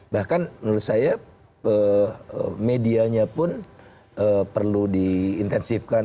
bahkan menurut saya medianya pun perlu diintensifkan